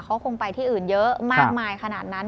เขาคงไปที่อื่นเยอะมากมายขนาดนั้น